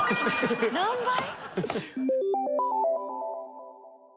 何倍？